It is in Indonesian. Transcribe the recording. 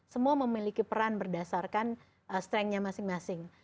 semua memiliki peran berdasarkan strengthnya masing masing